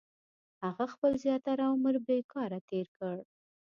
• هغه خپل زیاتره عمر بېکاره تېر کړ.